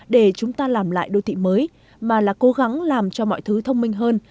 để chúng ta làm lại đô thị mới mà là cố gắng làm cho mọi thứ thông minh hơn